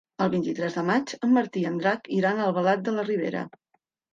El vint-i-tres de maig en Martí i en Drac iran a Albalat de la Ribera.